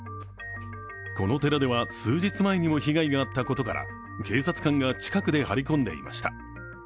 この寺では、数日前にも被害があったことから、警察官が近くで張り込んでいました。